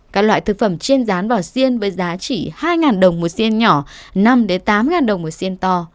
các loại thực phẩm chiên rán bò xiên với giá chỉ hai đồng một xiên nhỏ năm tám đồng một xiên to